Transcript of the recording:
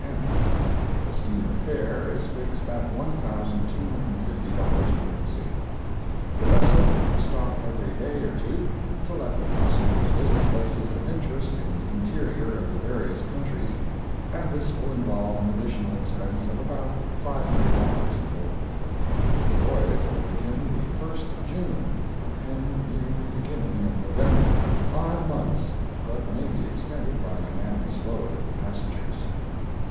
The steamer fare is fixed at $1,250, currency. The vessel will stop every day or two, to let the passengers visit places of interest in the interior of the various countries, and this will involve an additional expense of about $500 in gold. The voyage will begin the 1st of June and end near the beginning of November—five months—but may be extended by unanimous vote of the passengers.